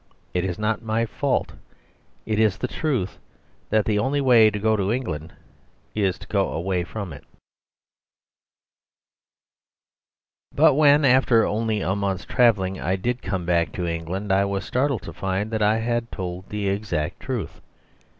It is not my fault, it is the truth, that the only way to go to England is to go away from it." But when, after only a month's travelling, I did come back to England, I was startled to find that I had told the exact truth.